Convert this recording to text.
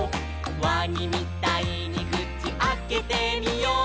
「わにみたいにくちあけてみよう」